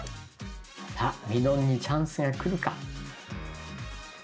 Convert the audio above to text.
さあみのんにチャンスが来るか。